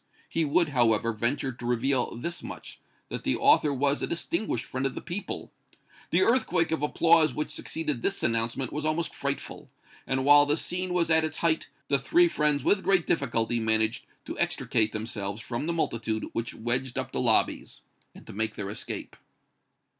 He would, however, venture to reveal this much, that the author was a distinguished friend of the people. The earthquake of applause which succeeded this announcement was almost frightful, and while the scene was at its height, the three friends with great difficulty managed to extricate themselves from the multitude which wedged up the lobbies, and to make their escape.